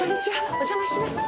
お邪魔します。